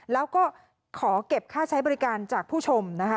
แล้วก็ขอเก็บค่าใช้บริการจากผู้ชมนะคะ